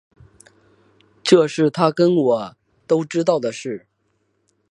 这是他跟我都知道的事